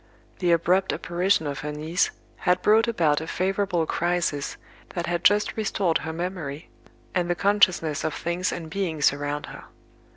The abrupt apparition of her niece had brought about a favourable crisis that had just restored her memory, and the consciousness of things and beings around her.